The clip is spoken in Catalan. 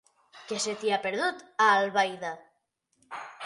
Què se t'hi ha perdut, a Albaida?